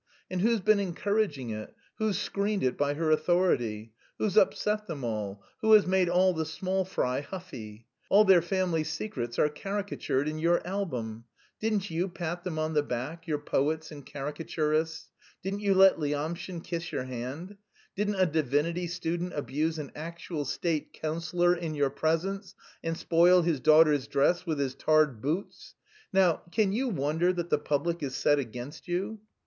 And who's been encouraging it? Who's screened it by her authority? Who's upset them all? Who has made all the small fry huffy? All their family secrets are caricatured in your album. Didn't you pat them on the back, your poets and caricaturists? Didn't you let Lyamshin kiss your hand? Didn't a divinity student abuse an actual state councillor in your presence and spoil his daughter's dress with his tarred boots? Now, can you wonder that the public is set against you?"